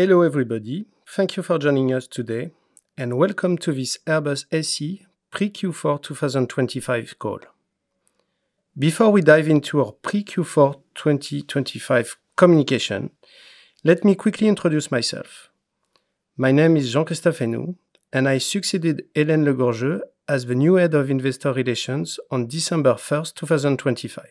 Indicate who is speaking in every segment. Speaker 1: Hello, everybody. Thank you for joining us today, and welcome to this Airbus SE pre-Q4 2025 call. Before we dive into our pre-Q4 2025 communication, let me quickly introduce myself. My name is Jean-Christophe Henoux, and I succeeded Hélène Le Gorgeu as the new Head of Investor Relations on December first, 2025.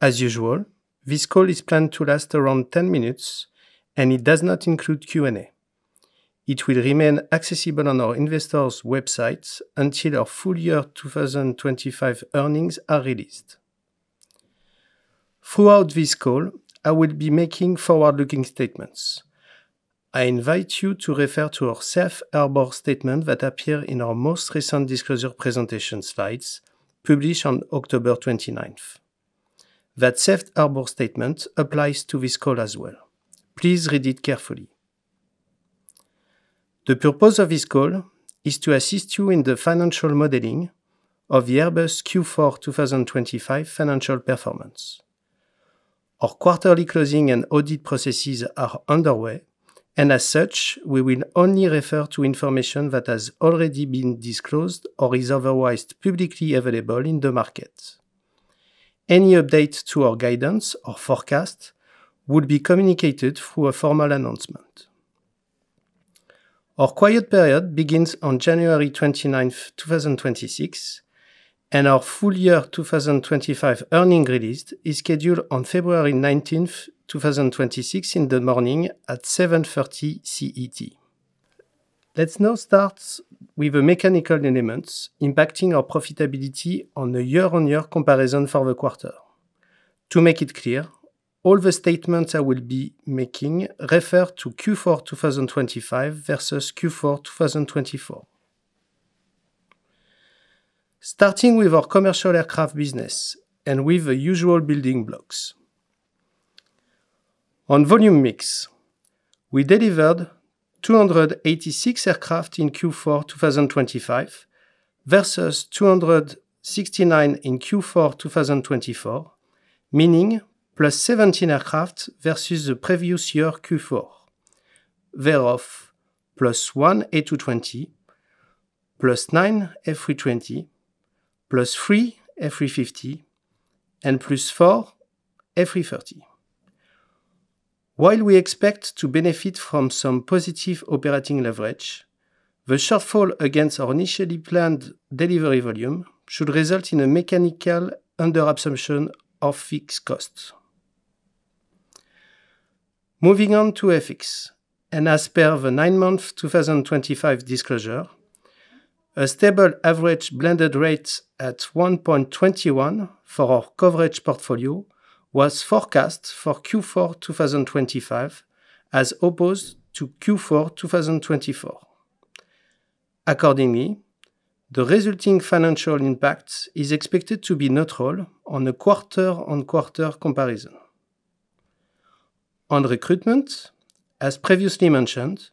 Speaker 1: As usual, this call is planned to last around 10 minutes, and it does not include Q&A. It will remain accessible on our investors' websites until our full year 2025 earnings are released. Throughout this call, I will be making forward-looking statements. I invite you to refer to our safe harbor statement that appear in our most recent disclosure presentation slides, published on October twenty-ninth. That safe harbor statement applies to this call as well. Please read it carefully. The purpose of this call is to assist you in the financial modeling of the Airbus Q4 2025 financial performance. Our quarterly closing and audit processes are underway, and as such, we will only refer to information that has already been disclosed or is otherwise publicly available in the market. Any update to our guidance or forecast will be communicated through a formal announcement. Our quiet period begins on January 29, 2026, and our full year 2025 earnings release is scheduled on February 19, 2026, in the morning at 7:30 A.M. CET. Let's now start with the mechanical elements impacting our profitability on a year-on-year comparison for the quarter. To make it clear, all the statements I will be making refer to Q4 2025 versus Q4 2024. Starting with our commercial aircraft business, and with the usual building blocks. On volume mix, we delivered 286 aircraft in Q4 2025, versus 269 in Q4 2024, meaning +17 aircraft versus the previous year, Q4. Thereof, +1 A220, +9 A320, +3 A350, and +4 A330. While we expect to benefit from some positive operating leverage, the shortfall against our initially planned delivery volume should result in a mechanical under absorption of fixed costs. Moving on to FX, and as per the nine-month 2025 disclosure, a stable average blended rate at 1.21 for our coverage portfolio was forecast for Q4 2025, as opposed to Q4 2024. Accordingly, the resulting financial impact is expected to be neutral on a quarter-on-quarter comparison. On recruitment, as previously mentioned,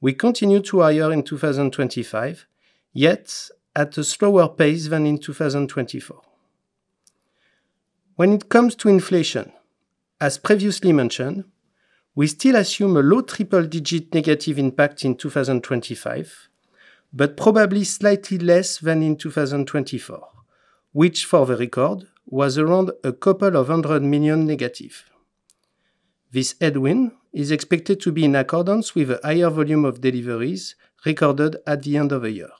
Speaker 1: we continue to hire in 2025, yet at a slower pace than in 2024. When it comes to inflation, as previously mentioned, we still assume a low triple-digit negative impact in 2025, but probably slightly less than in 2024, which, for the record, was around 200 million negative. This headwind is expected to be in accordance with a higher volume of deliveries recorded at the end of a year.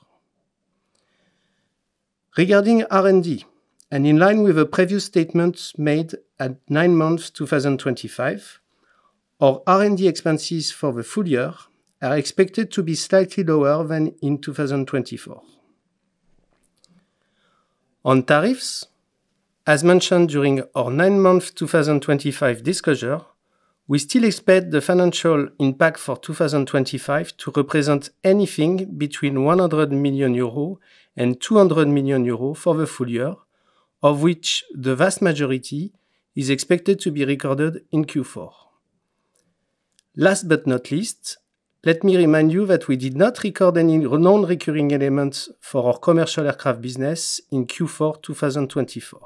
Speaker 1: Regarding R&D, and in line with the previous statements made at nine months 2025, our R&D expenses for the full year are expected to be slightly lower than in 2024. On tariffs, as mentioned during our nine-month 2025 disclosure, we still expect the financial impact for 2025 to represent anything between 100 million euros and 200 million euros for the full year, of which the vast majority is expected to be recorded in Q4. Last but not least, let me remind you that we did not record any non-recurring elements for our commercial aircraft business in Q4 2024.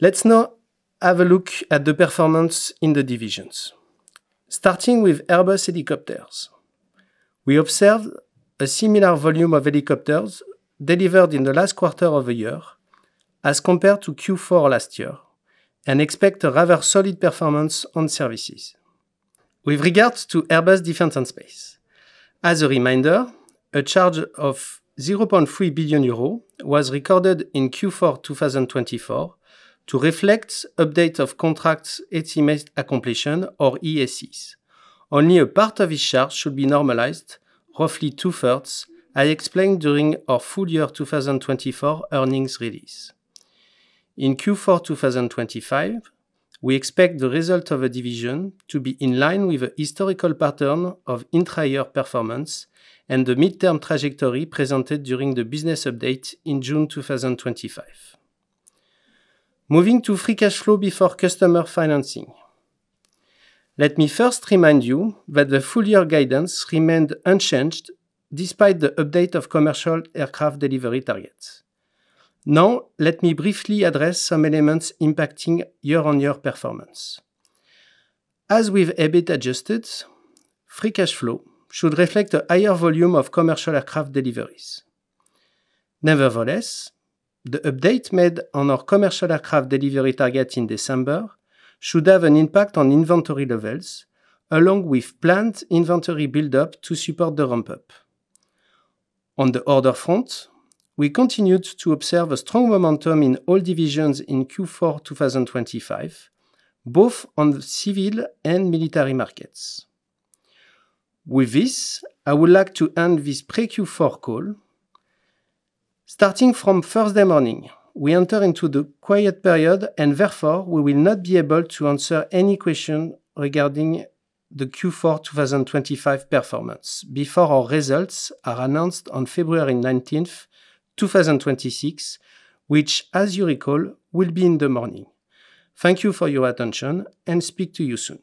Speaker 1: Let's now have a look at the performance in the divisions. Starting with Airbus Helicopters, we observed a similar volume of helicopters delivered in the last quarter of the year as compared to Q4 last year, and expect a rather solid performance on services. With regards to Airbus Defence and Space, as a reminder, a charge of 0.3 billion euro was recorded in Q4 2024 to reflect update of contracts, estimated at completion or EAC. Only a part of this charge should be normalized, roughly two-thirds, I explained during our full year 2024 earnings release. In Q4 2025, we expect the result of a division to be in line with the historical pattern of entire year performance and the midterm trajectory presented during the business update in June 2025. Moving to free cash flow before customer financing. Let me first remind you that the full year guidance remained unchanged despite the update of commercial aircraft delivery targets. Now, let me briefly address some elements impacting year-on-year performance. As with EBIT adjusted, free cash flow should reflect a higher volume of commercial aircraft deliveries. Nevertheless, the update made on our commercial aircraft delivery target in December should have an impact on inventory levels, along with planned inventory buildup to support the ramp-up. On the order front, we continued to observe a strong momentum in all divisions in Q4 2025, both on the civil and military markets. With this, I would like to end this pre-Q4 call. Starting from Thursday morning, we enter into the quiet period, and therefore, we will not be able to answer any question regarding the Q4 2025 performance before our results are announced on February 19th, 2026, which, as you recall, will be in the morning. Thank you for your attention, and speak to you soon.